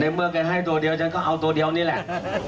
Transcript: เมื่อแกให้ตัวเดียวฉันก็เอาตัวเดียวนี่แหละ